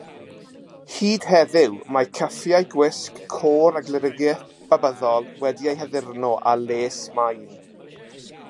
Hyd heddiw, mae cyffiau gwisg côr y glerigiaeth Babyddol wedi'u haddurno â les main.